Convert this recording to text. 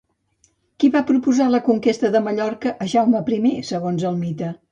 Qui va proposar la conquesta de Mallorca a Jaume I, segons el mite?